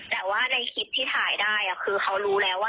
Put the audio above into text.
แต่ว่าในคลิปที่ถ่ายได้คือเขารู้แล้วว่า